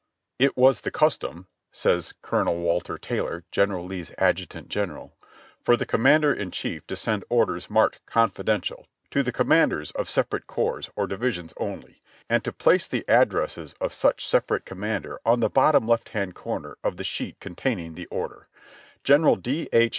"It was the custom," says Colonel Walter Taylor, General Lee's Adjutant General, "for the Commander in Chief to send orders marked 'Confidential' to the commanders of separate corps or divisions only ; and to place the addresses of such separate commander on the bottom left hand corner of the sheet contain ing the order. General D. H.